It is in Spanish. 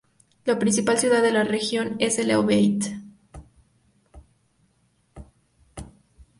La principal ciudad de la región es El Obeid.